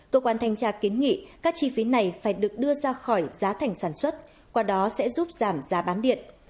tổ quản thành trạng kiến nghị các chi phí này phải được đưa ra khỏi giá thành sản xuất qua đó sẽ giúp giảm giá bán điện